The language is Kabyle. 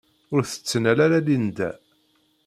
Ur t-tettnal ara Linda.